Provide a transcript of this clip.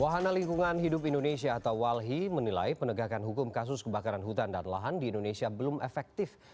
wahana lingkungan hidup indonesia atau walhi menilai penegakan hukum kasus kebakaran hutan dan lahan di indonesia belum efektif